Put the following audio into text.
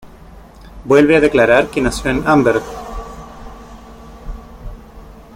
Vuelve a declarar que nació en Amberg.